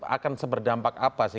akan seberdampak apa sih